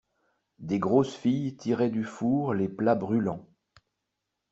Des grosses filles tiraient du four les plats brûlants.